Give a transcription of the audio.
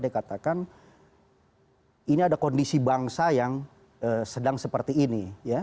dia katakan ini ada kondisi bangsa yang sedang seperti ini ya